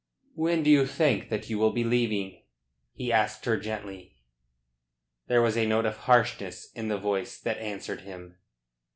"When do you think that you will be leaving?" he asked her gently. There was a note of harshness in the voice that answered him.